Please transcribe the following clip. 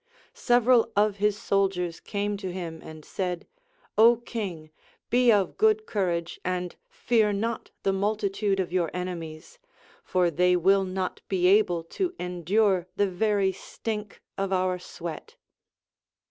Several of his soldiers came to him and said : Ο Kiuii ! be of good courage, and fear not the multitude of your ene mies, for they will not be able to endure the very stink of our sweat.